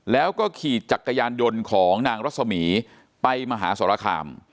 แล้วก็ขี่จักรยานยนต์ของนางรัศมีไปมหาสรคาม